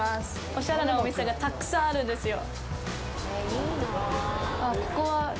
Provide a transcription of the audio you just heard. おしゃれなお店がたっくさんあるんですよ。